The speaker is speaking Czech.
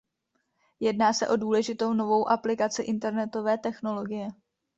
Jedná se o důležitou novou aplikaci internetové technologie.